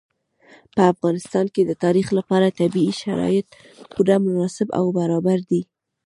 په افغانستان کې د تاریخ لپاره طبیعي شرایط پوره مناسب او برابر دي.